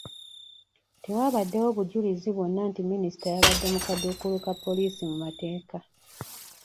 Tewaabaddewo bujulizi bwonna nti minisita yabadde mu kaduukulu ka poliisi mu mateeka.